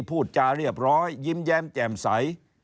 พูดจาเรียบร้อยยิ้มแย้มแจ่มใส